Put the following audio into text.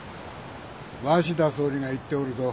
鷲田総理が言っておるぞ。